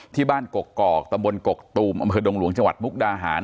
ที่บ้านกกอกตำบลกกตูมอำเภอดงหลวงจังหวัดมุกดาหาร